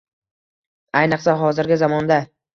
Ayniqsa, hozirgi zamonda.